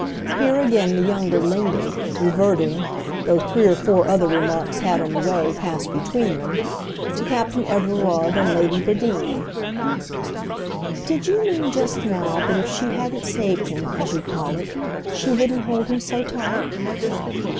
Here again the younger lingered, reverting, though three or four other remarks had on the way passed between them, to Captain Everard and Lady Bradeen. "Did you mean just now that if she hadn't saved him, as you call it, she wouldn't hold him so tight?"